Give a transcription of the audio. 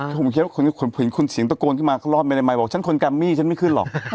ผมเห็นคุณเสียงตะโกนขึ้นมาก็รอบใบในไม้บอกฉันคนกรัมมี่ฉันไม่ขึ้นหรอก